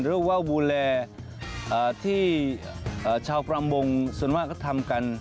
หรือว่าดูแลที่ชาวประมงส่วนมากก็ทำกัน